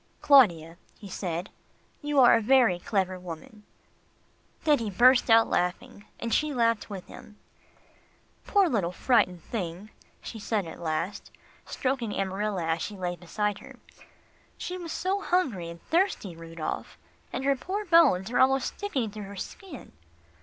"Claudia," he said, "you are a very clever woman," then he burst out laughing, and she laughed with him. "Poor little frightened thing," she said at last, stroking Amarilla as she lay beside her. "She was so hungry and thirsty, Rudolph. And her poor bones are almost sticking through her skin."